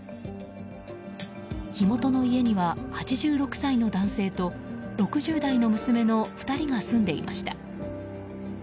火元の家には８６歳の男性と６０代の娘の２人が住んでいました。